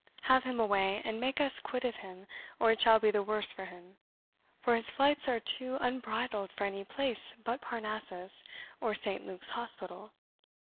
Have him away, and make us quit of him, or it shall be the worse for him; for his flights are too unbridled for any place but Parnassus, or Saint Luke's Hospital.